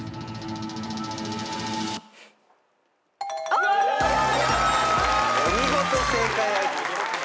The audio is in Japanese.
お見事正解。